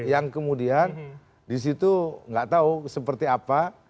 yang kemudian di situ gak tahu seperti apa